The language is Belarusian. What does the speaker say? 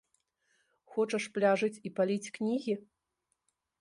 Хочаш пляжыць і паліць кнігі?